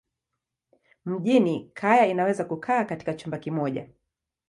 Mjini kaya inaweza kukaa katika chumba kimoja.